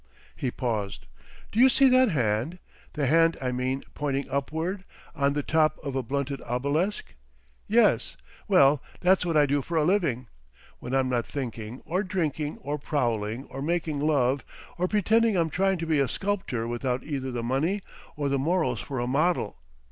He paused. "Do you see that hand? The hand, I mean, pointing upward, on the top of a blunted obelisk. Yes. Well, that's what I do for a living—when I'm not thinking, or drinking, or prowling, or making love, or pretending I'm trying to be a sculptor without either the money or the morals for a model.